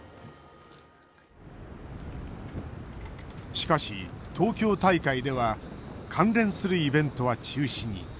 しかし東京大会では関連するイベントは中止に。